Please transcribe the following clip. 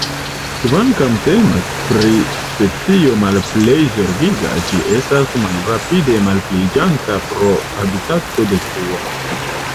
Kvankam temas pri specio Malplej Zorgiga, ĝi estas malrapide malpliiĝanta pro habitatodetruo.